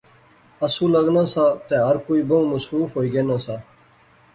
آسو لغنا سا تہ ہر کوئی بہوں مصروف ہوئی گینا سا